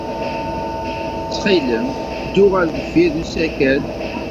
Ttxil-m, ddu ɣer deffir n usakal.